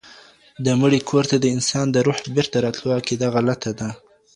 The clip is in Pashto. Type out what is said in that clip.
د مړي کور ته د انسان د روح بيرته راتلو عقيده غلطه ده